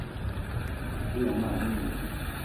Mete yem mam éè inìng